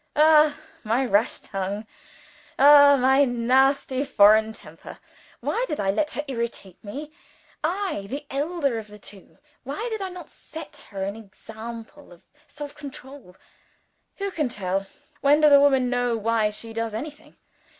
Ah, my rash tongue! Ah, my nasty foreign temper! Why did I let her irritate me? I, the elder of the two why did I not set her an example of self control? Who can tell? When does a woman know why she does anything?